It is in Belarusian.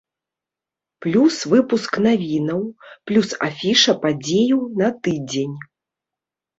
Плюс выпуск навінаў, плюс афіша падзеяў на тыдзень.